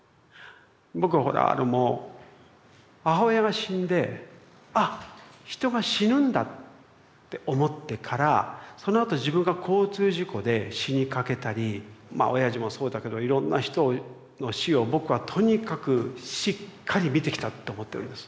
僕ほらもう母親が死んで「あっ人が死ぬんだ」って思ってからそのあと自分が交通事故で死にかけたりまあおやじもそうだけどいろんな人の死を僕はとにかくしっかり見てきたって思ってるんです。